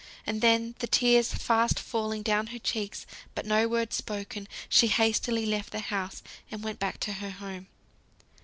And then, the tears fast falling down her cheeks, but no word spoken, she hastily left the house, and went back to her home.